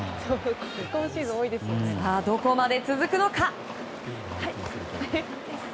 どこまで続くのか。